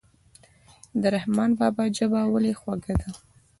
د رحمان بابا ژبه ولې خوږه ده.